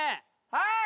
はい！